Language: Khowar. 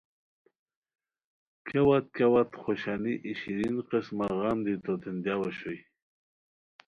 کیاوت کیا وت ہے خوشانی ای شیرین قسمہ غم دی توتین دیاؤ اوشوئے